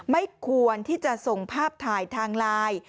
ไม่ควรที่จะส่งภาพถ่ายทางไลน์